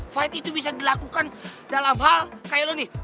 fight itu bisa dilakukan dalam hal kayak lo nih